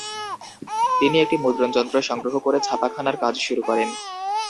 তিনি একটি মুদ্রণযন্ত্র সংগ্রহ করে ছাপাখানার কাজ শুরু করেন।